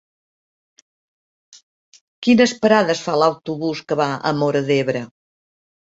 Quines parades fa l'autobús que va a Móra d'Ebre?